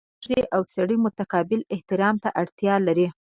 • واده د ښځې او سړي متقابل احترام ته اړتیا لري.